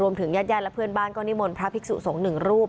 รวมถึงยัดยันต์และเพื่อนบ้านกรณีมนต์พระภิกษุสงฆ์หนึ่งรูป